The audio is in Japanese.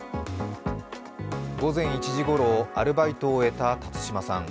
午前１時ごろ、アルバイトを終えた辰島さん。